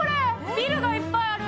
ビルがいっぱいある！